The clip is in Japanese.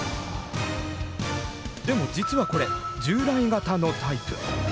でも実はこれ従来型のタイプ。